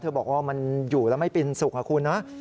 บอกว่ามันอยู่แล้วไม่เป็นสุขอะคุณนะ